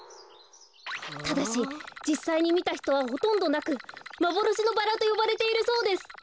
ただしじっさいにみたひとはほとんどなく「まぼろしのバラ」とよばれているそうです。